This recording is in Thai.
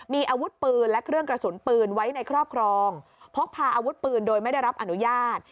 มีอาวุธปืนและเครื่องกระสุนปืนไว้ในครอบครองพกพาอาวุธปืนโดยไม่ได้รับอนุญาต